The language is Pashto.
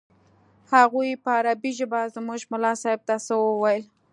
هغوى په عربي ژبه زموږ ملا صاحب ته څه وويل.